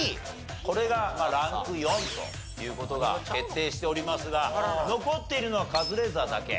これがランク４という事が決定しておりますが残っているのはカズレーザーだけ。